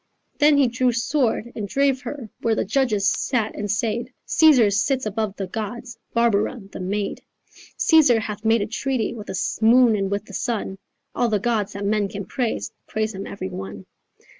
"Then he drew sword and drave her Where the judges sat and said 'Caesar sits above the gods, Barbara the maid. Caesar hath made a treaty With the moon and with the sun, All the gods that men can praise Praise him every one.